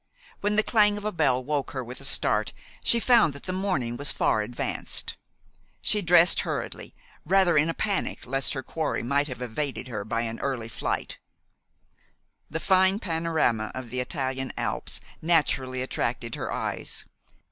When the clang of a bell woke her with a start she found that the morning was far advanced. She dressed hurriedly, rather in a panic lest her quarry might have evaded her by an early flight. The fine panorama of the Italian Alps naturally attracted her eyes.